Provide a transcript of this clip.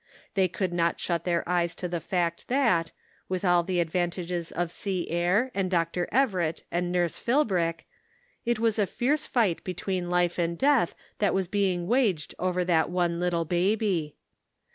They could not shut their eyes to the fact that, with all the advantages of sea air and Dr. Everett and nurse Philbrick, it was a fierce fight between life and death that was being waged over that one little baby.